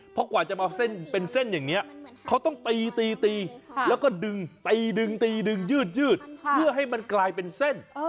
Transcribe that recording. เพราะกว่าจะมาเส้นเป็นเส้นอย่างนี้เขาต้องตีตีแล้วก็ดึงตีดึงตีดึงยืดเพื่อให้มันกลายเป็นเส้น